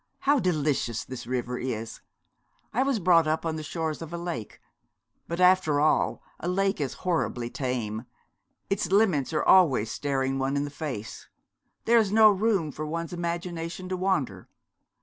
How delicious this river is! I was brought up on the shores of a lake; but after all a lake is horribly tame. Its limits are always staring one in the face. There is no room for one's imagination to wander.